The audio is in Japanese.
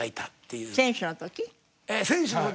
選手の時？